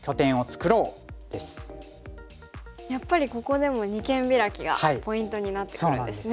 やっぱりここでも二間ビラキがポイントになってくるんですね。